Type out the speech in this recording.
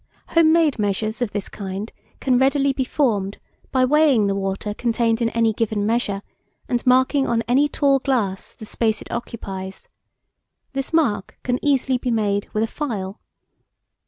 Home made measures of this kind can readily be formed by weighing the water contained in any given measure, and marking on any tall glass the space it occupies. This mark can easily be made with a file.